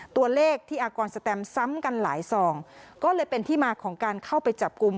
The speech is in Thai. ตัวเลขที่อากรสแตมซ้ำกันหลายซองก็เลยเป็นที่มาของการเข้าไปจับกลุ่ม